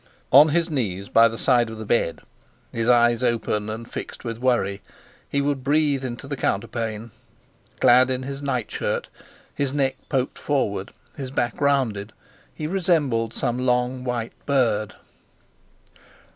On his knees by the side of the bed, his eyes open and fixed with worry, he would breathe into the counterpane. Clad in his nightshirt, his neck poked forward, his back rounded, he resembled some long white bird.